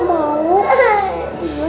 naya gak mau